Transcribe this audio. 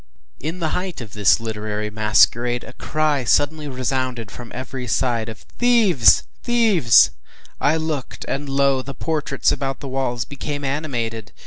In the height of this literary masquerade, a cry suddenly resounded from every side, of “Thieves! thieves!” I looked, and lo! the portraits about the walls became animated!